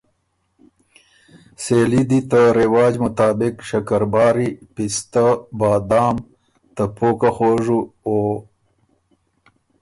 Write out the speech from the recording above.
سېلي دي ته رېواج مطابق شکرباری، پِستۀ، بادام، ته پوکه خوژُو او